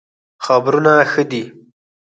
خبرونه ښه دئ